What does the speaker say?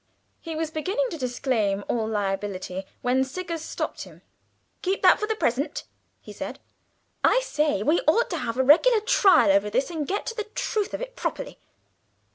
He was beginning to disclaim all liability, when Siggers stopped him. "Keep that for the present," he said. "I say, we ought to have a regular trial over this, and get at the truth of it properly.